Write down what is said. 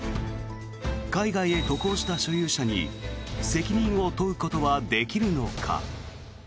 海外へ渡航した所有者に責任を問うことはできるのか。